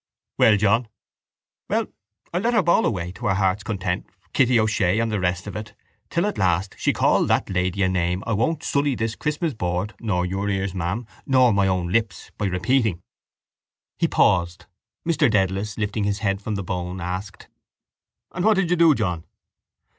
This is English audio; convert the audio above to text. —Well, John? —Well. I let her bawl away, to her heart's content, Kitty O'Shea and the rest of it till at last she called that lady a name that I won't sully this Christmas board nor your ears, ma'am, nor my own lips by repeating. He paused. Mr Dedalus, lifting his head from the bone, asked: —And what did you do, John?